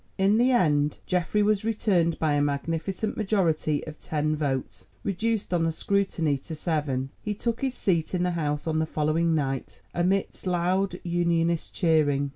In the end Geoffrey was returned by a magnificent majority of ten votes, reduced on a scrutiny to seven. He took his seat in the House on the following night amidst loud Unionist cheering.